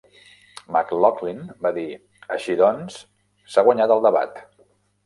McLoughlin va dir: "Així doncs, s'ha guanyat el debat".